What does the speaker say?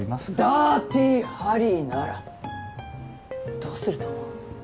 「ダーティハリー」ならどうすると思う？